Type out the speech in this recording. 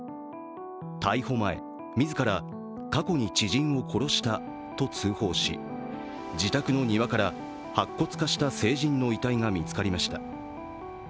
逮捕前、自ら過去に知人を殺したと通報し、自宅の庭から白骨化した成人の遺体が見つかりました。